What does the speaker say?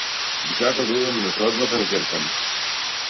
Би сакал да одам на свадбата на ќерка ми.